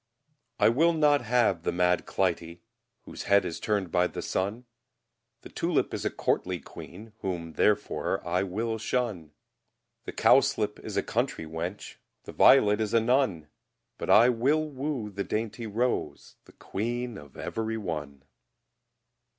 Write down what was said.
I will not have the mad Clytie, Whose head is turned by the sun; The tulip is a courtly queen, Whom, therefore, I will shun; The cowslip is a country wench, The violet is a nun; But I will woo the dainty rose, The queen of every one.